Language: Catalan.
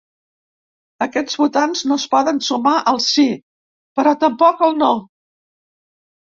Aquests votants no es poden sumar al sí, però tampoc al no.